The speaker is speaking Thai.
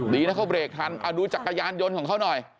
ดีนะเขาเบรกทันเอาดูจักรยานยนต์ของเขาหน่อย